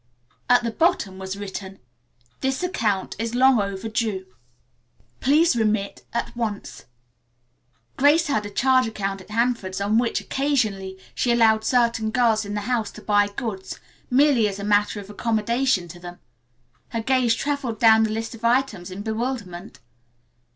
At the bottom was written. "This account is long overdue. Please remit at once." Grace had a charge account at Hanford's on which, occasionally, she allowed certain girls in the house to buy goods, merely as a matter of accommodation to them. Her gaze traveled down the list of items in bewilderment.